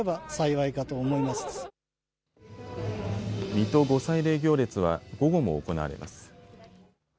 水戸御祭禮行列は午後も行われます。